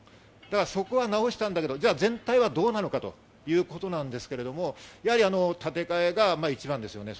そこは直したんだけど、じゃあ全体はどうなのかということなんですけれども、やはり建て替えが一番ですね。